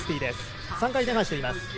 ３回転半しています。